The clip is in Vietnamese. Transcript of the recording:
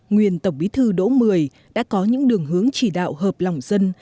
nguyên tổng bí thư đỗ mười đã có những đường hướng chỉ đạo hợp lòng dân